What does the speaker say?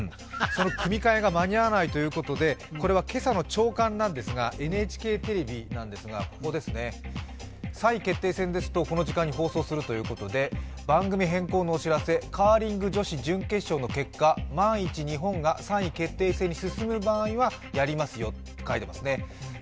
その組みかえが間に合わないということで今朝の朝刊なんですがＮＨＫテレビ、ここです、３位決定戦ですとこの時間に放送するということで番組変更のお知らせ、カーリング女子準決勝の結果、万一日本が３位決定戦に進む場合はやりますよと書いてますね。